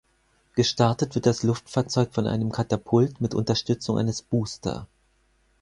Gestartet wird das Luftfahrzeug von einem Katapult mit Unterstützung eines Booster.